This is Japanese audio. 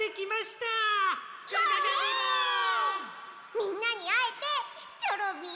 みんなにあえてチョロミー